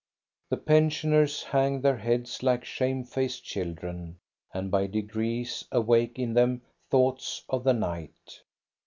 The pensioners hang their heads like shame faced children, and by degrees awake in them thoughts of the night.